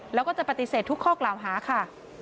แล้วก็จะปฏิเสธทุกข้อกล่าวหาค่ะ